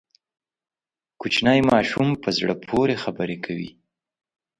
کوچنی ماشوم په زړه پورې خبرې کوي.